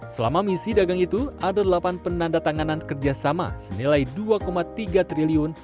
selama misi dagang itu ada delapan penanda tanganan kerjasama senilai dua tiga triliun